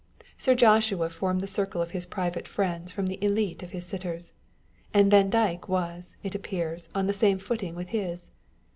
Sir Joshua formed the circle of his private friends from the elite of his sitters ; and Vandyke was, it appears, on the same footing with his.